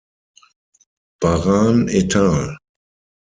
Baran et al.